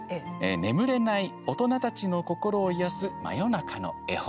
眠れない大人たちの心を癒やす「真夜中の絵本」